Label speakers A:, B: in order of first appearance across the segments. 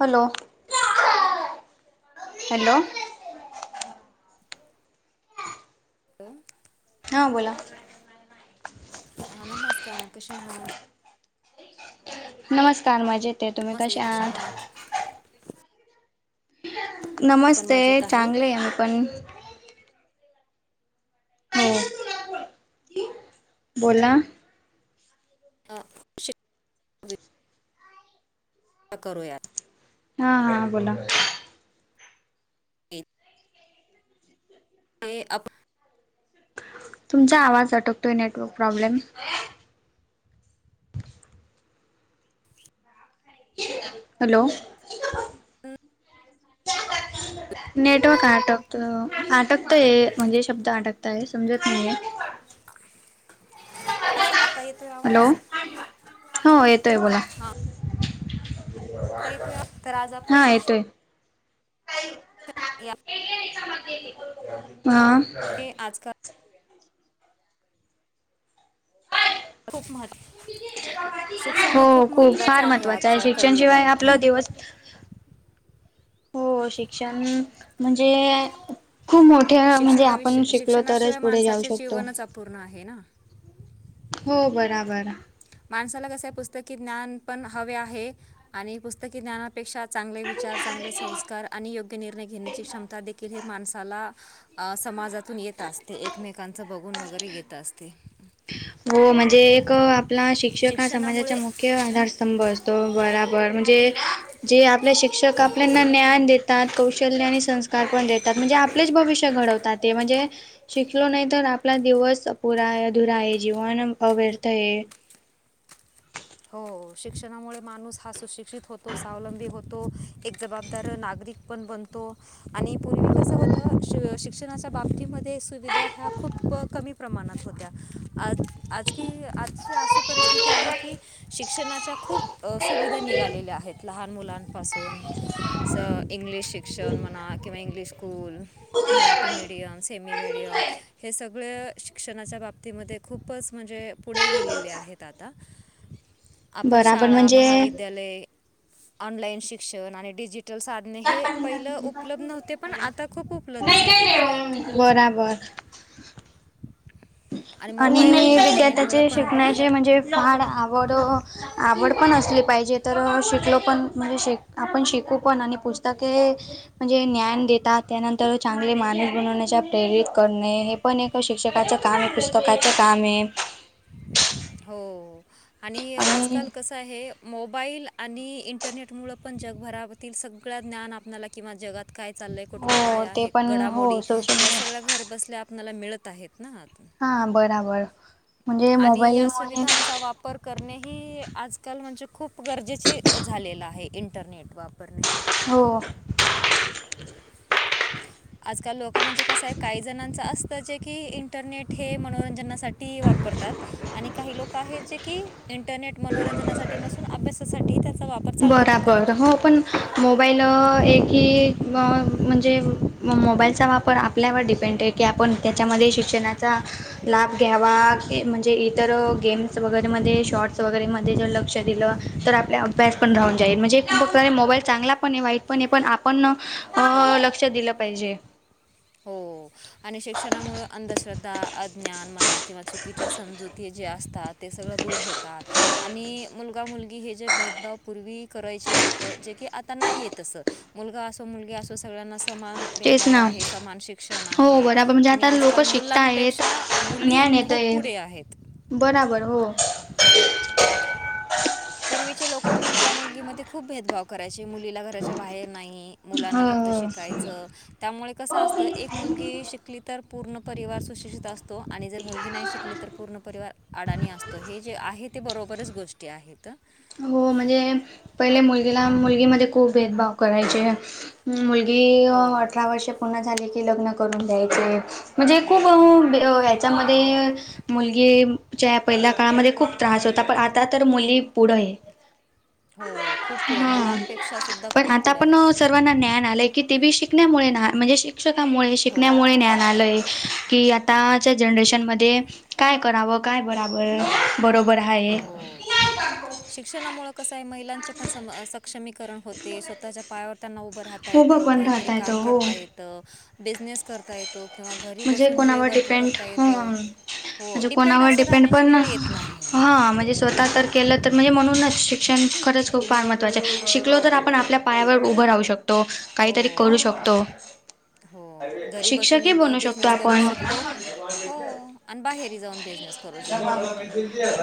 A: Hello hello.
B: Hello.
A: हां बोला.
B: हा नमस्कार कशा आहात?
A: नमस्कार, मजेत आहे तुम्ही
B: नमस्ते
A: कश्या
B: कशा
A: आहात?
B: पण
A: नमस्ते
B: मजेत
A: चांगले आहे मी पण. हो. बोला.
B: हा शिकवीत [unintelligible] करूयात
A: हा हा बोला.
B: हे अप
A: तुमचा आवाज अटकतोय नेटवर्क प्रॉब्लेम हॅलो.
B: हम्म.
A: नेटवर्क आटकत आट तय म्हणजे शब्द अडकताय समजत नाहीये.
B: आज आता येतोय
A: हॅलो
B: आवाज?
A: हो येतोय बोला.
B: हा आता येतोय आवाज. तर आज आपण
A: हा
B: शिक्षण
A: येतोय.
B: या
A: हा.
B: हे आजकाल खूप महत्व शिक्षण
A: हो
B: हे
A: खूप
B: महत्त्वाचं
A: फार महत्वाचं आहे
B: आजच्या
A: शिक्षणशिवाय आपला
B: कलियुगामध्ये
A: दिवस हो शिक्षण म्हणजे खूप मोठ ठ्या म्हणजे आपण
B: शिक्षणाविषयी
A: शिकलो तरच पुढे जाऊ शकतो.
B: पूर्ण आहे ना.
A: हो बराबर.
B: माणसाला कसं पुस्तकी ज्ञान पण हवे आहे आणि पुस्तकी ज्ञानापेक्षा चांगले विचार, चांगले संस्कार आणि योग्य निर्णय घेण्याची क्षमता देखील हे माणसाला अह समाजातून येत असते एकमेकांच बघून वगैरे येत असते.
A: हो म्हणजे एक आपला शिक्षक हा समाजाचा
B: शिक्षणामुळे
A: मुख्य आधार स्तंभ असतो, बराबर म्हणजे जे आपले शिक्षक आपल्याना ज्ञान देतात, कौशल्य आणि संस्कार पण देतात म्हणजे आपलेच भविष्य घडवतात ते म्हणजे शिकलो नाही तर आपला दिवस अपुरा आहे. अधुरा आहे, जीवन अह व्यर्थ आहे.
B: हो शिक्षणामुळे माणूस हा सुशिक्षित होतो, स्वावलंबी होतो, एक जबाबदार नागरिक पण बनतो आणि पूर्वी कस होत शिक्षणाच्या बाबतीमध्ये सुविधा ह्या खूप कमी प्रमाणात होत्या. आज आज की आजची अशी परिस्थिती आहे की शिक्षणाच्या खूप सुविधा निघालेल्या आहेत. लहान मुलांपासून अस इंग्लिश शिक्षण म्हणा किंवा English school Marathi medium, semi medium हे सगळ शिक्षणाच्या बाबतीमध्ये खूपच म्हणजे पुढे गेलेले आहेत आता आपण
A: बराबर
B: शाळा
A: म्हणजे
B: महाविद्यालय, ऑनलाईन शिक्षण आणि डिजिटल सा हे पहिलं उपलब्ध नव्हते पण आता खूप उपलब्ध
A: नाही काय
B: झालेले आहे.
A: नाही मग मी बराबर. आणि
B: मोबाईल इंटरनेटमुळं
A: विद्यार्थाचे
B: पण
A: शिकण्याचे म्हणजे फार आवड, आवड पण असली पाहिजे तर शिकलो पण, म्हणजे शिक आपण शिकू पण. आणि पुस्तक हे म्हणजे ज्ञान देतात. त्यानंतर चांगले माणूस बनवण्याच्या प्रेरित करणे. हे पण एक शिक्षकाच्या कामे. पुस्तकाचे कामे.
B: हो, आणि आजकाल कस आहे मोबाईल आणि इंटरनेट मुळ पण, जगभराातील सगळ ज्ञान, आपला किंवा जगात काय चाललंय. कुठल्या काय
A: हो ते
B: आहे.
A: पण
B: घडामोड
A: हो सोशल
B: ह्या सगळ्या घर बसल्या आपणाला मिळत आहेत ना. आत.
A: हा बराबर. म्हणजे
B: या
A: मोबाईलमुळे
B: सुविधांचा वापर करणेही, आजकाल म्हणजे खूप गरजेचे झालेलं आहे. इंटरनेट वापरणे.
A: हो.
B: आजकाल लोक म्हणजे कसये. काही जणांच असतं. जे की इंटरनेट हे मनोरंजनासाठी टी वापरतात. आणि काही लोक आहेत, जे की इंटरनेट मनोरंजनासाठी नसून अभ्यासासाठी. त्या चा वापर चांगल्या प्रकारे
A: बराबर हो
B: करतात.
A: पण मोबाईल एक ही म्हणजे म मोबाईलचा वापर आपल्यावर डिपेंडे की आपण त्याच्यामध्ये शिक्षणाचा लाभ घ्यावा. म्हणजे इतर गेम्स वगैरेमध्ये, शॉर्ट्स वगैरेमध्ये, जर लक्ष दिलं. तर आपला अभ्यास पण राहून जाईल. म्हणजे बघतानी मोबाईल चांगला पणे वाईट पणे. पण आप पण
B: हो
A: लक्षात दिलं पाहिजे.
B: हो, आणि शिक्षणामुळे अंधश्रद्धा अज्ञान म्हना. किंवा चुकीच्या समजुती जे असतात, ते सगळं दूर होतात. आणि मुलगा मुलगी हे जे भेदभाव पूर्वी करायचे लोकं. जे की आता नाही ये तस. मुलगा असो, मुलगी असो, सगळ्यांना समान
A: तेच
B: भेदभाव
A: ना
B: आहे. समान शिक्षण
A: हो
B: आहे.
A: बराबर म्हणजे
B: आणि
A: आता लोक
B: आजकाल
A: शिकता आहेत
B: मुलांपेक्षा मुली
A: ज्ञान
B: खूप
A: येतंय
B: पुढे आहेत.
A: बराबर हो.
B: पूर्वीचे लोक, मुलगा मुलगीमध्ये खूप भेदभाव करायची. मुलीला घराच्या बाहेर नाही. मुलांना
A: हो
B: फक्त
A: हो
B: शिकायचं. त्यामुळे कसं असत. एक मुलगी शिकली तर, पूर्ण परिवार सुशिक्षित अस तो. आणि जर मुलगी नाही शिकली तर, पूर्ण परिवार अडाणी असतो. हे जे आहेत. ते बरोबरच गोष्टी आहेत. अ.
A: हो, म्हणजे पहिले मुलगीला. मुलगीमध्ये खूप भेदभाव करायचे. मुलगी
B: हो
A: अठरा वर्ष पूर्ण झाली की लग्न करून द्यायचे. म्हणजे खूप अ
B: हो
A: त्याच्यामध्ये, मुलगीच्या पहिल्या काळामध्ये खूप त्रास होता. पण आता तर मुली पुढये.
B: हो खूप पुढे. मुलांपेक्षा. सुद्धा
A: पण
B: खूप
A: आता
B: पुढे
A: पण
B: आहेत मुली
A: सर्वांना ज्ञान आलंय की, ते बी शिकण्यामुळे. म्हणजे शिक्षकामुळे. शिकण्यामुळे
B: हो
A: ज्ञान आलय, की आताच्या जनरेशन मध्ये काय कराव. काय बरा बरोबर आहे.
B: शिक्षणामुळे कसंये, महिलांचे पण सक्षमीकरण होते. स्वतःच्या पायावर त्यांना उभं राहता
A: उभं
B: येतं.
A: पण
B: काहीतरी
A: राहता
B: काम
A: येतं हो
B: करता येतं. बिझनेस करता येतो. किंवा घरी
A: म्हणजे
B: बसून जे
A: कोणावर
B: वर्क
A: डिपेंड
B: करता येत.
A: होऊन
B: हो
A: म्हणजे
B: डिपेंड
A: कोणावर
B: अस राहणे ची
A: पण
B: वेळ येत नाही.
A: हा म्हणजे स्वतः तर केलं तर, म्हणजे म्हणूनच शिक्षण खरंच खूप फार महत्त्वाचंय. शिकलो तर आपण आपल्या पायावर उभं राहू शक तो.
B: हो
A: काहीतरी करू शकतो.
B: हो घरी
A: शिक्षक ही
B: बसूनही
A: बनू शकतो.
B: बिझनेस करू
A: आपण
B: शकतो. हो. आणि बाहेरही जाऊन बिझनेस करू शकतो आपण.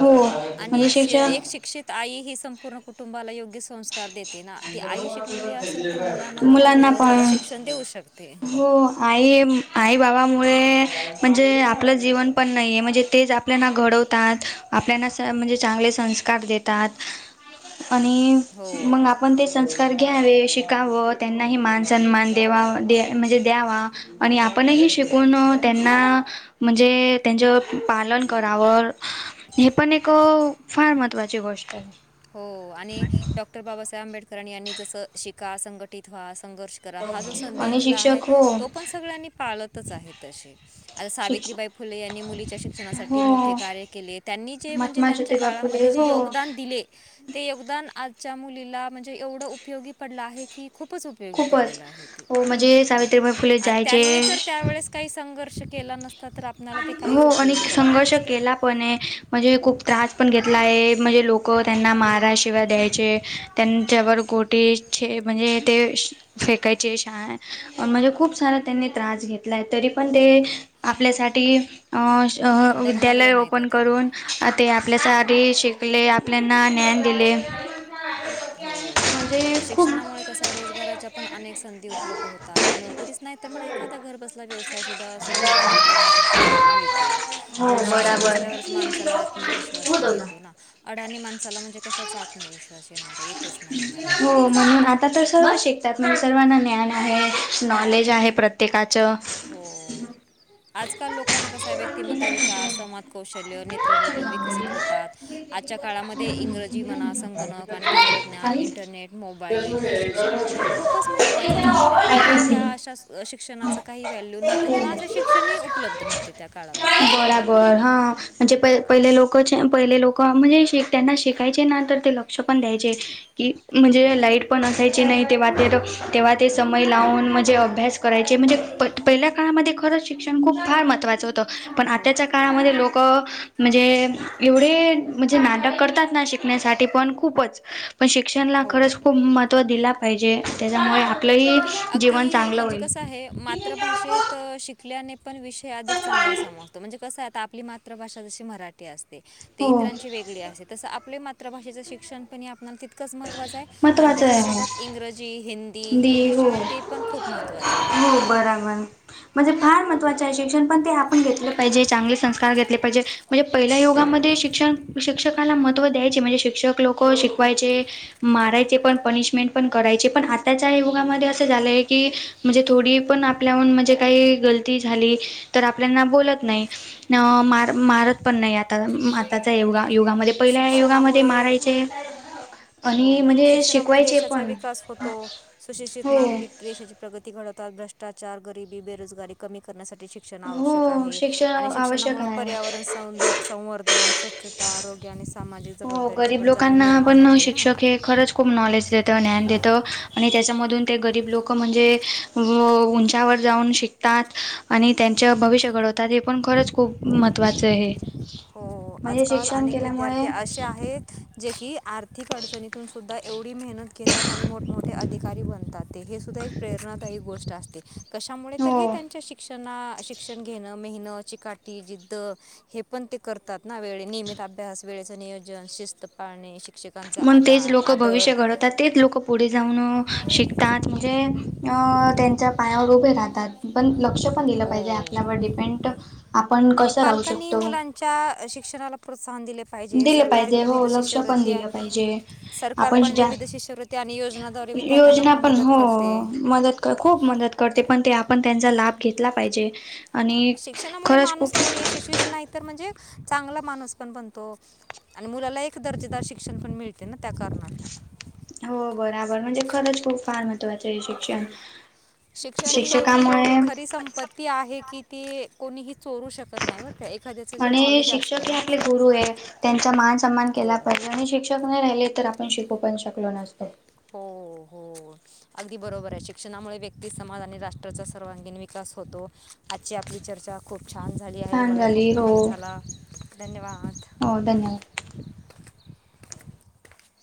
A: हो
B: आणि
A: म्हणजे
B: एक एक
A: शिक्षक
B: शिक्षित आई ही, संपूर्ण कुटुंबाला योग्य संस्कार देते. ते ना ती आई शिकलेली असेल तर मुलांना पण ती व्यवस्थित शिक्षण देऊ शकते.
A: हो आई आई बाबामुळे म्हणजे आपलं जीवन पण नाही आहे. म्हणजे तेच आप आपल्याना घडवतात आपल्याना स म्हणजे चांगले संस्कार देतात. आणि
B: हो
A: मग आप आपण ते संस्कार घ्यावे शिकावं त्यांनाही मान सन्मान देवा दे म्हणजे द्यावा. आणि आपणही शिकून त्यांना म्हणजे त्यांचं पालन करावरं हे पण एक फार महत्त्वाची गोष्ट आहे.
B: हो आणि डॉक्टर बाबासाहेब आंबेडकर यांनी जसं शिका संघटित व्हा संघर्ष करा हा जो संदेश
A: आणि
B: दिला आहे
A: शिक्षक हो
B: तो पण सगळ्यांनी पाळतच आहे तशी आता
A: शिक्ष
B: सावित्रीबाई फुले यांनी मुलीच्या शिक्षणासाठी
A: हो
B: मोठे कार्य केले. त्यांनी जे म्हणजे
A: महात्मा
B: त्यांच्या
A: ज्योतिबा
B: काळामध्ये
A: फुले
B: जे
A: हो
B: योगदान दिले. ते योगदान आजच्या मुलीला म्हणजे एवढं उपयोगी पडलं आहे की खूपच उपयोगी
A: खूपच
B: पडलेलं आहे ते.
A: हो म्हणजे
B: हो
A: सावित्रीबाई फुले
B: आणि त्यांनी जर
A: जायचे
B: त्यावेळेस काही संघर्ष केला नसता तर आपल्याला ते काहीच
A: हो आणि
B: उपयोगी पडलं
A: संघर्ष
B: नसतं.
A: केला पण म्हणजे खूप त्रास पण घेतला आहे म्हणजे लोक त्यांना मारा शिव्या द्यायचे. त्यांच्यावर गोटे छे म्हणजे ते श फेकायची शछा आहे म्हणजे खूप सारा त्यांनी त्रास घेतलाय तरी पण ते
B: हो.
A: आपल्यासाठी विद्यालय
B: डगमगल्या नाहीत
A: ओपन
B: त्या.
A: करून ते आपल्या
B: हो.
A: सारे शिक टकले आपल्याना ज्ञान दिले.
B: हो
A: म्हणजे
B: आणि
A: खूप
B: शिक्षणामुळे कस रोजगाराच्या पण अनेक संधी उपलब्ध होतात. नोकरीच नाही तर मग एखादा घर बसला व्यवसाय सुधा सुरू करण्याची प्रेरणा शिक्षणून मिळते. आणि शिक्षण असल्यावरच माणसाला आत्मविश्वास पण येतो ना. अडाणी माणसाला म्हणजे कशाचा आत्मविश्वास येणार येतच नाही त्यांना
A: हो
B: काहीच.
A: म्हणून आता तर सर्व शिकतात. म्हणजे सर्वांना ज्ञान आहे नॉलेज आहे प्रत्येकाचं
B: हो. आजकाल लोकांना कसा व्यक्तिमत्वविकास समाज कौशल्य नेतृत्वपण विकसित होतात. आजच्या काळामध्ये इंग्रज जी म्हणा संगणक आणि तंत्रज्ञान,
A: काहीच
B: इंटरनेट, मोबाईल हे शिक्षण म्हणजे खूप खूपच महत्त्वाच झालेलं आहे. पूर्वी ह्या
A: आदिवासी.
B: अशा शिक्षणाचं काही व्हॅल्यू नव्हतं किंवा असे असे शिक्षण उपलब्ध नव्हते त्या काळामध्ये.
A: पर हा. म्हणजे प पहिले लोक पहिले लोक म्हणजे श त्यांना शिकायचे ना तर ते लक्ष पण द्यायचे. की
B: हो
A: म्हणजे लाईट पण असायच. चे नाही तेव्हा ते तेव्हा ते समय लावून म्हणजे अभ्यास करायचे म्हणजे प पहिल्या काळामध्ये खरंच शिक्षण खूप फार महत्त्वाचं होतं. पण
B: खूप
A: आताच्या काळामध्ये
B: खूप
A: लोक म्हणजे एवढे म्हणजे नाटक करतात ना शिकण्यासाठी पण खूपच पण शिक्षणला
B: हो
A: खरंच खूप महत्व दिला पाहिजे. त्याच्यामुळे आपलंही जीवन
B: अगदी
A: चांगलं
B: म्हणजे
A: होईल
B: कस आहे मातृभाषेत शिक आपठल्याने पण विषय अधिक चांगला समजतो. म्हणजे कसं आहे आता आपली मातृभाषा जशी मराठी असते.
A: हो
B: इतरांची वेगळी अस तस आपले मात्रभाषेचं शिक्षण पण आपला त इकंच महत्त्वाचं आहे आणि
A: महत्त्वाचं
B: त्याच्यासोबत
A: आहे
B: इंग्रजी हिंदी हे
A: दी
B: विषय
A: हो
B: आहेत ते पण खूप महत्त्वाचे आहेत.
A: हो बरोबर. म्हणजे फार महत्त्वाचे आहे शिक्षण पण ते आपण घेतलं पाहिजे चांगले संस्कार घेतले पाहिजे. म्हणजे पहिल्या युगामध्ये शिक्षण शिक्षकाला महत्त्व द्यायचे म्हणजे शिक्षक लोक शिकवायचे. मारायचे पण पनिशमेंट पण करायचे पण आताच्या
B: हो
A: युगामध्ये असं झालंय की म्हणजे थोडी पण आपल्याहून म्हणजे काही गलती झाली तर आपल्याना बोलत नाही. अ मार मारत पण नाही आता. आताचा युगा युगामध्ये पहिल्या युगामध्ये
B: शिक्षणामुळे
A: मारायचे. आणि
B: हो
A: म्हणजे
B: शिक्षणामुळे
A: शिकवायचे
B: देशाचा
A: पण.
B: विकास होतो. सुशिक्षित
A: हो
B: नागरिक देशाची प्रगती घडवतात भ्रष्टाचार गरिबी बेरोजगारी कमी करण्यासाठी शिक्षण आवश्यक
A: हो
B: आहे
A: शिक्षण
B: आणि
A: आवश्यक
B: शिक्षणामुळे
A: आहे
B: पर्यावरण संध संवर्धन, स्वच्छता, आरोग्य आणि सामाजिक
A: हो
B: जबाबदारीची
A: गरीब
B: पण जाणीव
A: लोकांना
B: निर्माण होते.
A: पण
B: ना
A: शिक्षक हे खरंच खूप नॉलेज देतं, ज्ञान देतं आणि त्याच्यामधून ते गरीब लोक म्हणजे व उंचावर जाऊन शिक शतात आणि त्यांच्या भविष्य घडवतात हे पण खरंच खूप महत्त्वाचं आहे.
B: हो
A: म्हणजे
B: आजकाल
A: शिक्षण
B: अनेक
A: केल्यामुळे
B: विद्यार्थी असे आहेत जे की आर्थिक अडचणीतून सुद्धा एवढी मेहनत घेतात आणि मोठमोठे अधिकारी बनतात ते हे सुद्धा एक प्रेरणादायी गोष्ट असते. कशामुळे तर हे
A: हो
B: त्यांच्या शिक शिक्षणा शिक्षण घेणं मेहनत, चिकाटी, जिद्द हे पण ते करतात ना वे नियमित अभ्यास वेळेचं नियोजन, शिस्त पाळणे शिक्षक लकांचा आ आदर.
A: तर तेच लोकं पुढे जाऊन शिकतात म्हणजे अ त्यांच्या पायावर उभे राहतात पण लक्ष पण दिलं पाहिजे
B: हो
A: आपल्यावर डिपेंड- आपण कसं राहू शकतो.
B: च्या शिक्षणाला प्रोत्साहन दिले पाहिजे.
A: दिलं
B: सरकार
A: पाहिजे हो
B: विविध
A: लक्ष पण
B: शिष्यवृत्त्या
A: दिलं पाहिजे
B: सरकार
A: आपण
B: पण
A: जा
B: विविध शिष्यवृत्ती आणि योजनाद्वारे विद्यार्थ्यांना
A: योजना
B: पण मदत
A: हो
B: करते.
A: मदत खूप मदत करते पण ते आपण त्यांचा लाभ घेतला पाहिजे. आणि
B: शिक्षणामुळे
A: खरंच
B: माणूस
A: खूप
B: केवळ यशस्वीच नाही तर म्हणजे चांगला माणूस पण बनतो. आणि मुलाला एक दर्जेदार शिक्षण पण मिळते ना त्या कारणातून.
A: हो बरोबर म्हणजे खरंच खूप फार महत्वाचं आहे शिक्षण.
B: शिक्षण ही एवढी म्हणजे
A: शिक्षकामुळे
B: खरी संपत्ती आहे की ती कोणीही चोरू शकत नाही बर का. एखाद्याचं जे
A: आणि
B: नॉलेज असतं
A: शिक्षक हे
B: ना
A: आपले गुरु आहे त्यांचा मान सन्मान केला
B: हो
A: पाहिजे आणि शिक्ष शिक्षक नाही राहिले तर आपण शिकू पण शकलो नसतो.
B: हो हो. अगदी बरोबर आहे शिक्षणामुळे व्यक्ती समाज आणि राष्ट्राचा सर्वांगीण विकास होतो. आजची आपली चर्चा खूप छान झाली आहे
A: छान
B: मलाही
A: झाली
B: खूप
A: हो
B: आनंद झाला. धन्यवाद!
A: हो धन्यवाद.